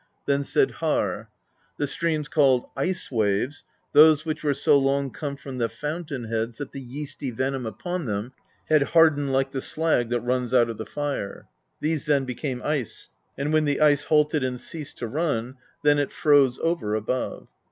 Then said Harr: "The streams called Ice waves, those which were so long come from the fountain heads that the yeasty venom upon them had hardened like the slag that runs out of the fire, — these then became ice; and when the ice halted and ceased to run, then it froze over above.